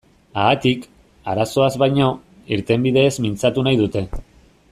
Haatik, arazoaz baino, irtenbideez mintzatu nahi dute.